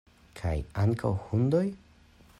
Kaj ankaŭ hundoj?